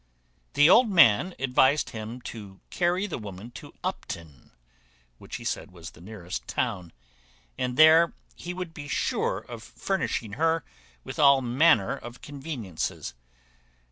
The old man advised him to carry the woman to Upton, which, he said, was the nearest town, and there he would be sure of furnishing her with all manner of conveniencies.